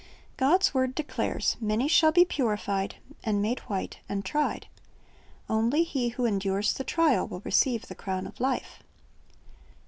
God's word declares, "Many shall be purified, and made white, and tried. "^ Only he who endures the trial will receive the crown of life.